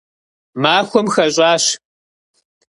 Махуэм хэщӏащ.